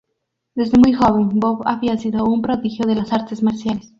Desde muy joven, Bob había sido un prodigio de las artes marciales.